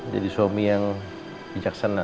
jadi suami yang bijaksana